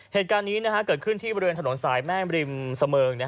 เหตุการณ์นี้เกิดขึ้นที่บริเวณถนนสายแม่มริมเสมิง